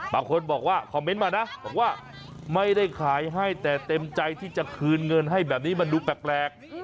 บางคนบอกว่าคอมเมนต์มานะบอกว่าไม่ได้ขายให้แต่เต็มใจที่จะคืนเงินให้แบบนี้มันดูแปลก